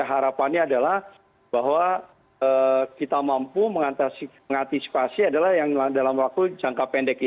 harapannya adalah bahwa kita mampu mengantisipasi adalah yang dalam waktu jangka pendek ini